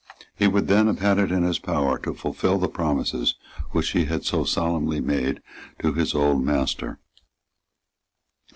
He would then have had it in his power to fulfil the promises which he had so solemnly made to his old master.